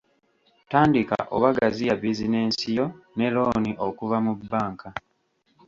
Tandika oba gaziya bizinensi yo ne looni okuva mu bbanka.